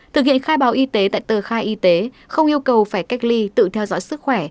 thực hiện khai báo y tế tại tờ khai y tế không yêu cầu phải cách ly tự theo dõi sức khỏe